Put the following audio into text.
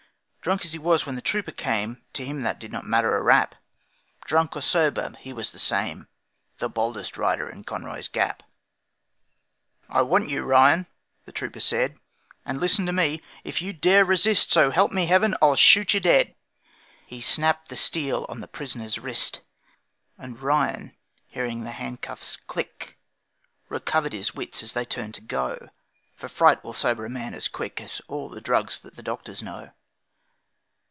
Drunk as he was when the trooper came, To him that did not matter a rap Drunk or sober, he was the same, The boldest rider in Conroy's Gap. 'I want you, Ryan,' the trooper said, 'And listen to me, if you dare resist, So help me heaven, I'll shoot you dead!' He snapped the steel on his prisoner's wrist, And Ryan, hearing the handcuffs click, Recovered his wits as they turned to go, For fright will sober a man as quick As all the drugs that the doctors know.